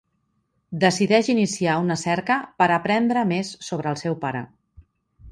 Decideix iniciar una cerca per aprendre més sobre el seu pare.